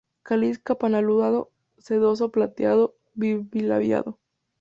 Cáliz campanulado, sedoso plateado, bilabiado.